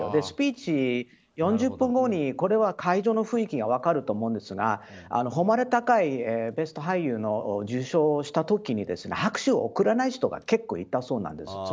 スピーチ４０分後に会場の雰囲気が分かると思うんですが誉れ高いベスト俳優の、受賞した時に拍手を送らない人が結構、いたそうなんです。